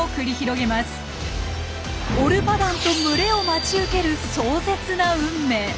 オルパダンと群れを待ち受ける壮絶な運命。